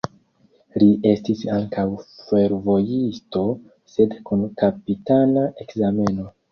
Li estis ankaŭ fervojisto, sed kun kapitana ekzameno.